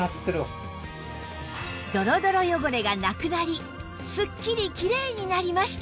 ドロドロ汚れがなくなりスッキリきれいになりました